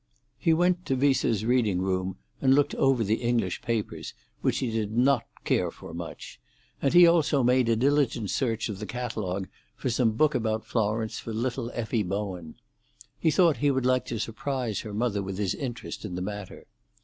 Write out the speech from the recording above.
He went to Viesseux's reading room and looked over the English papers, which he did not care for much; and he also made a diligent search of the catalogue for some book about Florence for little Effie Bowen: he thought he would like to surprise her mother with his interest in the matter.